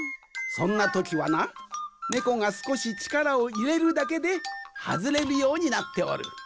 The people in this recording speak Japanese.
そんなときはなネコがすこしちからをいれるだけではずれるようになっておる。